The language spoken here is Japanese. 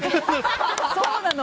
そうなの。